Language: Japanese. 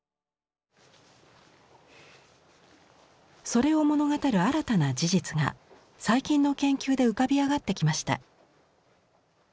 それを物語る新たな事実が最近の研究で浮かび上がってきました。